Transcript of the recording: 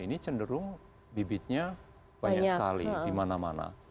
ini cenderung bibitnya banyak sekali di mana mana